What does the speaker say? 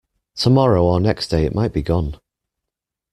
Tomorrow or next day it might he gone.